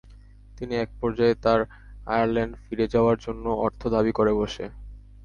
কিন্তু একপর্যায়ে তাঁরা আয়ারল্যান্ড ফিরে যাওয়ার জন্য অর্থ দাবি করে বসে।